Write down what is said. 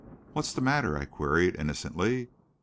"What's the matter?" I queried innocently.